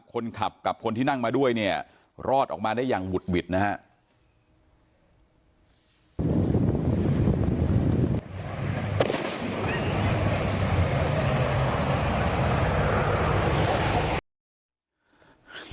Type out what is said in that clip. คนขับกับคนที่นั่งมาด้วยเนี่ยรอดออกมาได้อย่างหุดหวิดนะครับ